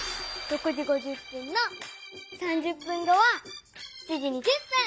６時５０分の３０分後は７時２０分！